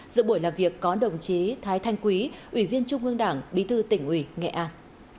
giữa buổi làm việc có đồng chí thái thanh quý ủy viên trung ương đảng bí thư tỉnh ủy nghệ an